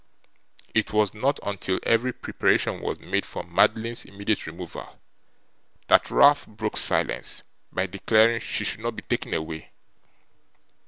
It was not until every preparation was made for Madeline's immediate removal that Ralph broke silence by declaring she should not be taken away.